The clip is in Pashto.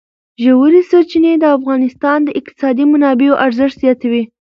ژورې سرچینې د افغانستان د اقتصادي منابعو ارزښت زیاتوي.